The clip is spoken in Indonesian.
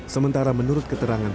sementara menurut keterangan sahabat